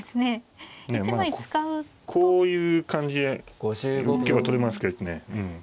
こういう感じで行けば取れますけどね。